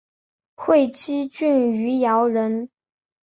会稽郡余姚人。